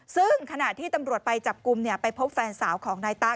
ซึ่งขณะที่ตำรวจไปจับกลุ่มไปพบแฟนสาวของนายตั๊ก